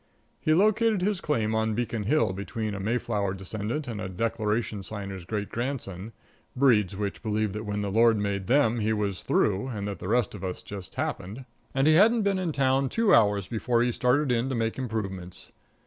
He located his claim on Beacon Hill, between a Mayflower descendant and a Declaration Signer's great grandson, breeds which believe that when the Lord made them He was through, and that the rest of us just happened. And he hadn't been in town two hours before he started in to make improvements.